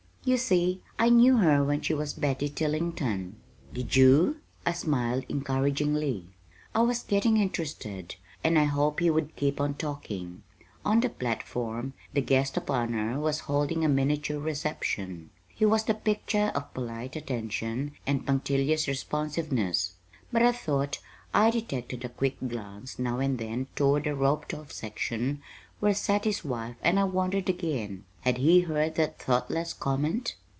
You see, I knew her when she was Betty Tillington." "Did you?" I smiled encouragingly. I was getting interested, and I hoped he would keep on talking. On the platform the guest of honor was holding a miniature reception. He was the picture of polite attention and punctilious responsiveness; but I thought I detected a quick glance now and then toward the roped off section where sat his wife and I wondered again had he heard that thoughtless comment?